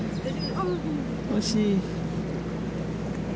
惜しい。